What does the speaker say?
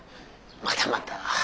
またまた。